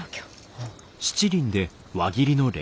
うん。